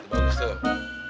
nah bagus tuh